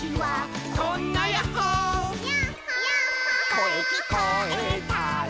「こえきこえたら」